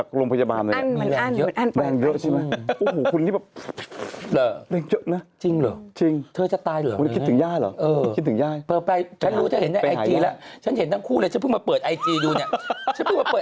คือมีแรงมันเยอะใช่ไหมเษตรหน้านี้คุณแรงมันเยอะมากครับฮะตลกรมพยาบาล